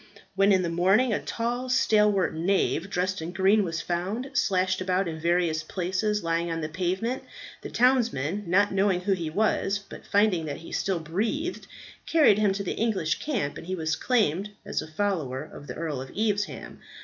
When in the morning a tall, stalwart knave dressed in green was found, slashed about in various places, lying on the pavement, the townsmen, not knowing who he was, but finding that he still breathed, carried him to the English camp, and he was claimed as a follower of the Earl of Evesham.